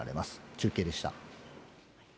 中継でした。